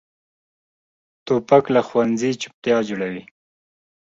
توپک له ښوونځي چپتیا جوړوي.